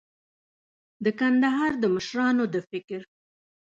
د کندهار د مشرانو د فکر